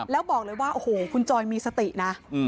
แล้วบอกเลยว่าโอ้โหคุณจอยมีสตินะ